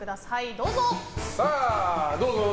どうぞ。